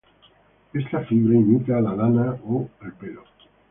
Esta fibra imita a la lana o pelo.